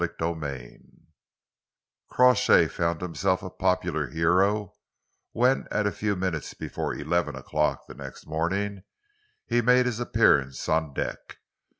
CHAPTER V Crawshay found himself a popular hero when at a few minutes before eleven o'clock the next morning he made his appearance on deck.